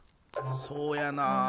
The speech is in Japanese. そうやな